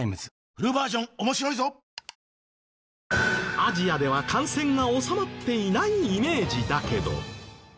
アジアでは感染が収まっていないイメージだけど。